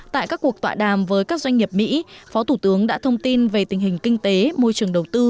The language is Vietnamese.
tại các cuộc tọa đàm với các doanh nghiệp mỹ phó thủ tướng đã thông tin về tình hình kinh tế môi trường đầu tư